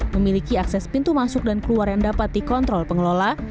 memiliki akses pintu masuk dan keluar yang dapat dikontrol pengelola